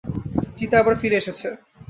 চিতা আবার ফিরে এসেছে।